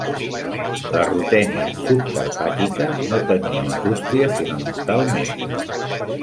La Rutènia subcarpàtica no tenia indústria fonamentalment.